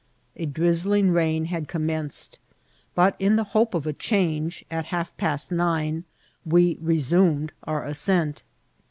A drizzling rain had commenced, but, in the hope of a change, at half past nine we resumed our ascent.